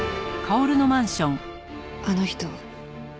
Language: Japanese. あの人